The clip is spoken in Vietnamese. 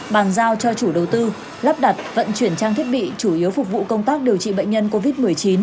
bàn giao cho chủ đầu tư lắp đặt vận chuyển trang thiết bị chủ yếu phục vụ công tác điều trị bệnh nhân covid một mươi chín